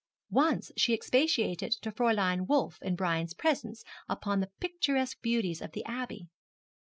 Once she expatiated to Fräulein Wolf in Brian's presence upon the picturesque beauties of the Abbey.